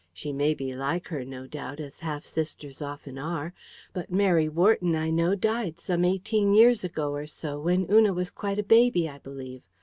She may be like her, no doubt, as half sisters often are. But Mary Wharton, I know, died some eighteen years ago or so, when Una was quite a baby, I believe.